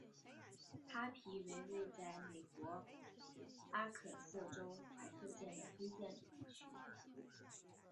哈皮为位在美国阿肯色州怀特县的非建制地区。